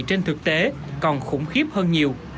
trên thực tế còn khủng khiếp hơn nhiều